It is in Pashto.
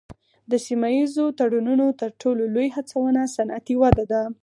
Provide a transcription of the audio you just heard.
د سیمه ایزو تړونونو تر ټولو لوی هڅونه صنعتي وده ده